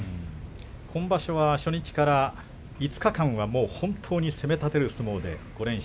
今場所は初日から５日間は攻め立てる相撲で５連勝。